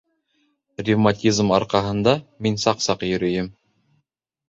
Ревматизм арҡаһында мин саҡ-саҡ йөрөйөм